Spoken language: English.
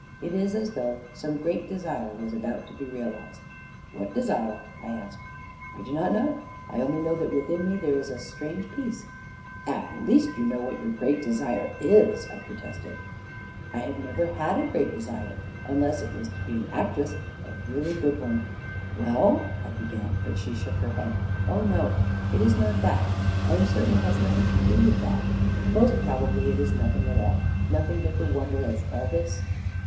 It is as though some great desire was about to be realized." "What desire? "I asked. " I do not know — I only know that within me there is a strange peace." " At least you know what your great desire is I " I protested. u I have never had a great desire — unless it wjts to be an actress — a really good one." " Well," I began ; but she shook her head. " Oh, no ; it is not that 1 I am certain it has noth ing to do with that 1 Most probably, it is nothing at all — nothing but the wonder of all this."